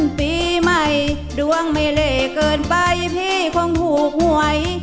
ปีใหม่ดวงไม่เลเกินไปพี่คงถูกหวย